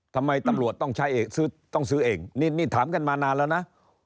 ทำไมตำรวจต้องซื้อเองนี่ถามกันมานานแล้วนะ